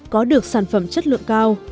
có được sản phẩm chất lượng cao